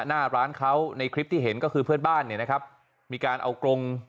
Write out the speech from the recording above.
หน้าร้านเขาในคลิปที่เห็นก็คือเพื่อนบ้านเนี่ยนะครับมีการเอากรง